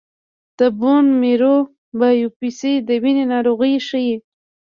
د بون میرو بایوپسي د وینې ناروغۍ ښيي.